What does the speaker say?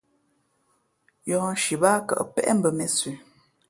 Yɔ̌hnshi báá kαʼ péʼ mbα mēnsə bᾱ.